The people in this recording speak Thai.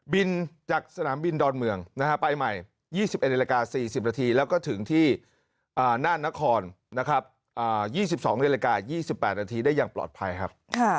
บินจากสนามบินดอนเมืองไปใหม่๒๑นาที๔๐นาทีแล้วก็ถึงที่นานนคร๒๒นาที๒๘นาทีได้ยังปลอดภัยครับ